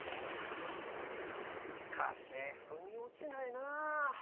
しっかしふに落ちないなぁ。